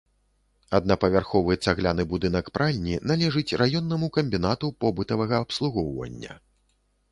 Аднапавярховы цагляны будынак пральні належыць раённаму камбінату побытавага абслугоўвання.